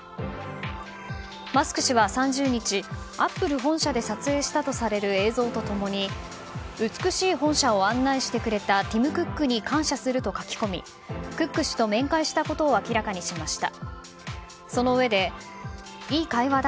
マスク氏は３０日アップル本社で撮影したとされる映像と共に美しい本社を案内してくれたティム・クックに感謝すると書き込みクック氏と面会したことを明らかにしました。